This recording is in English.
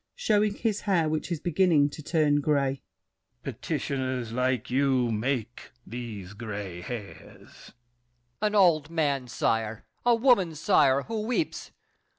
[Showing his hair, which is beginning to turn gray. Petitioners like you make these gray hairs! MARQUIS DE NANGIS. An old man, sire; a woman, sire, who weeps!